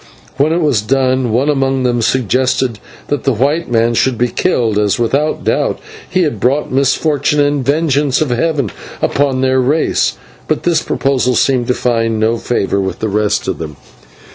When it was done, one among them suggested that the white man should be killed, as without doubt he had brought misfortune and the vengeance of heaven upon their race, but this proposal seemed to find no favour with the rest of them.